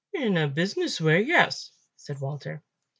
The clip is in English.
"In a business way, yes," said Walter.